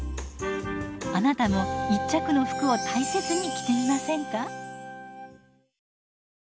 あなたも一着の服を大切に着てみませんか。